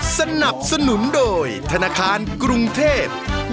สนับสนุนโดยธนาคารกรุงเทพฯ